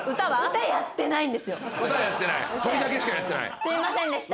すいませんでした。